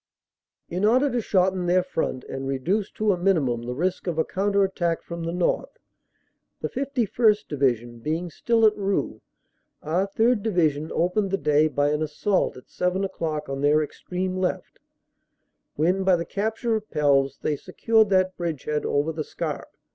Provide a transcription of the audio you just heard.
In order to shorten their front and reduce to a minimum the risk of a counter attack from the north (the 51 St. Division being still at Roeux), our 3rd. Division opened the day by an assault at seven o clock on their extreme left, when by the cap ture of Pelves they secured that bridgehead over the Scarpe.